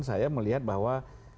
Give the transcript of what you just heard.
saya melihat bahwa